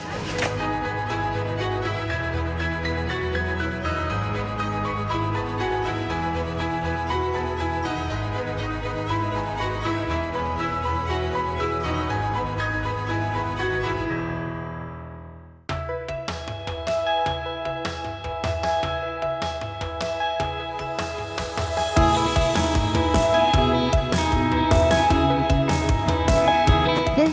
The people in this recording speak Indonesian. berubah dulu dong